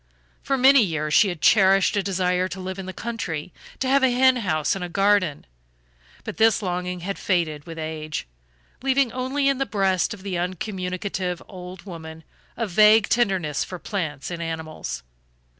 For many years she had cherished a desire to live in the country, to have a hen house and a garden; but this longing had faded with age, leaving only in the breast of the uncommunicative old woman a vague tenderness for plants and animals.